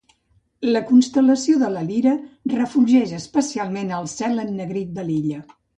La constel·lació de la Lira refulgeix especialment al cel ennegrit de l'illa.